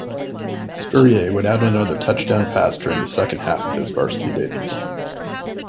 Spurrier would add another touchdown pass during the second half of his varsity debut.